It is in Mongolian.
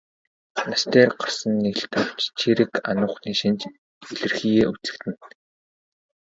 Нас дээр гарсан нь илт авч чийрэг ануухны шинж илэрхийеэ үзэгдэнэ.